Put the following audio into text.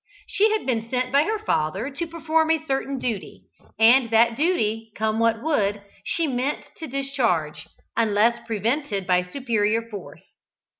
She had been sent by her father to perform a certain duty, and that duty, come what would, she meant to discharge, unless prevented by superior force.